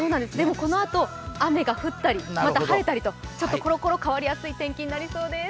このあと雨が降ったりまた晴れたりとちょっところころ、変わりやすい天気になりそうです。